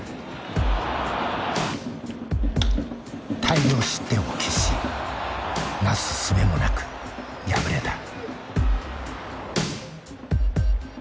大量失点を喫しなすすべもなく敗れた。